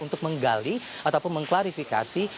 untuk menggali ataupun mengklarifikasi